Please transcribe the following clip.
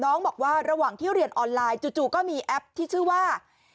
บอกว่าระหว่างที่เรียนออนไลน์จู่ก็มีแอปที่ชื่อว่า